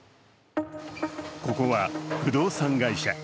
ここは、不動産会社。